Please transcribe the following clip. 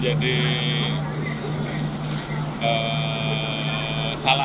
jadi kita akan berinteraksi dengan masyarakat